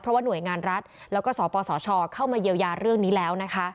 เพราะว่าหน่วยงานรัฐแล้วก็สปสชเข้ามาเยียวยาเรื่องนี้แล้วนะคะ